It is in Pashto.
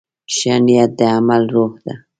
ښه نیت د عمل روح دی.